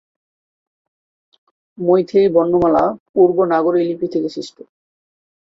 মৈথিলী বর্ণমালা পূর্ব নাগরী লিপি থেকে সৃষ্ট।